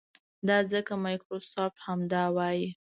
دا ځکه مایکروسافټ همدا وايي.